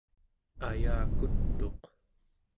ayakut'uq